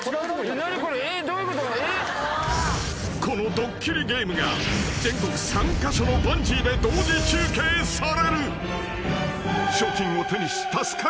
［このドッキリゲームが全国３カ所のバンジーで同時中継される］